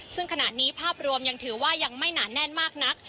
ซึ่งขณะนี้ภาพรวมยังถือว่ายังไม่หนาแน่นมากนัก